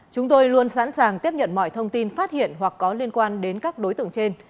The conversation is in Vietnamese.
chúng tôi luôn sẵn sàng tiếp nhận mọi thông tin phát hiện hoặc có liên quan đến các đối tượng trên